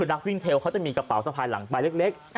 นักวิ่งเทลเขาจะมีกระเป๋าสะพายหลังใบเล็ก